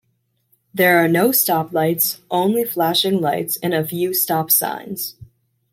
There are no stop lights, only flashing lights and a few stop signs.